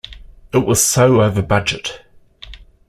It was so over budget.